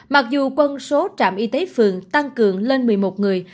mặc dù quân số trạm y tế phường tăng cường lên một mươi một người